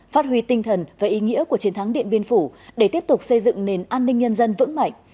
phát huy tinh thần và ý nghĩa của chiến thắng điện biên phủ để tiếp tục xây dựng nền an ninh nhân dân vững mạnh